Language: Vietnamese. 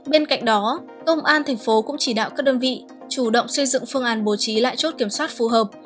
bên cạnh đó công an tp hcm cũng chỉ đạo các đơn vị chủ động xây dựng phương án bổ trí lại chốt kiểm soát phù hợp